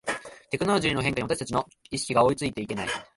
テクノロジーの変化に私たちの意識が追いついていけない